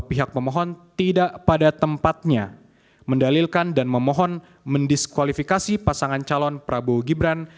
pihak pemohon tidak pada tempatnya mendalilkan dan memohon mendiskualifikasi pasangan calon prabowo gibran